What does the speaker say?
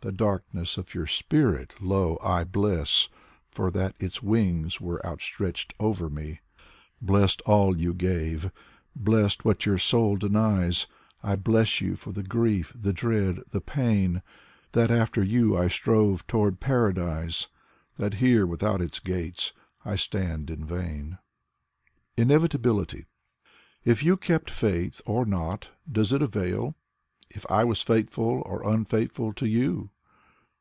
The darkness of your spirit, lo, I bless ! For that its wings were outstretched over me. Blessed all you gave, blessed what your soul denies: I bless you for the grief, the dread, the pain ; That after you I strove toward Paradise ; That here without its gates, I stand in vain. Valery Brusov 85 INEVITABILITY If you kept faith, or not, does it avail? If I was faithful or unfaithful to you?